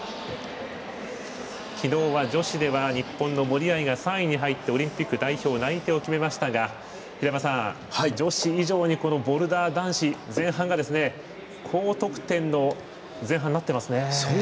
昨日は、女子では日本の森秋彩が３位に入ってオリンピック代表内定を決めましたが女子以上にボルダー男子高得点の前半になっていますね。